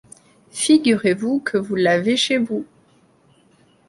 Figurez-vous que vous l’avez chez vous.